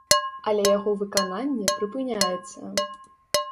Але яго выкананне прыпыняецца.